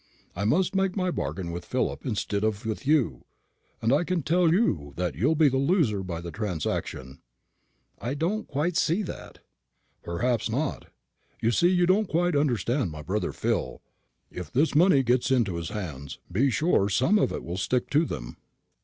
I must make my bargain with Philip instead of with you, and I can tell you that you'll be the loser by the transaction." "I don't quite see that." "Perhaps not. You see, you don't quite understand my brother Phil. If this money gets into his hands, be sure some of it will stick to them."